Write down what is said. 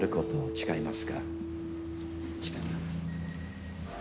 誓います。